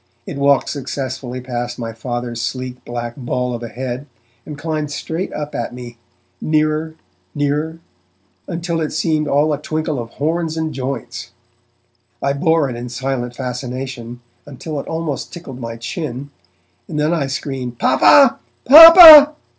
It walked successfully past my Father's sleek black ball of a head, and climbed straight up at me, nearer, nearer, until it seemed all a twinkle of horns and joints. I bore it in silent fascination until it almost tickled my chin, and then I screamed 'Papa! Papa!'